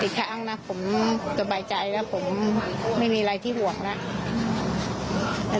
อีกครั้งนะผมสบายใจแล้วผมไม่มีอะไรที่บวกแล้ว